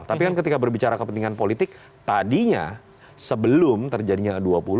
tapi kan ketika berbicara kepentingan politik tadinya sebelum terjadinya g dua puluh